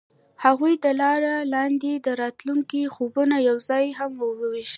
هغوی د لاره لاندې د راتلونکي خوبونه یوځای هم وویشل.